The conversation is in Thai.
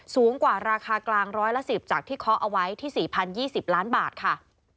สูงกว่าราคากลางร้อยละ๑๐จากที่เคาะเอาไว้ที่๔๐๒๐ล้านบาทค่ะ